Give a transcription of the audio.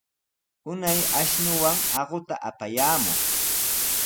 Unay ashnuwan aquta apayamuq.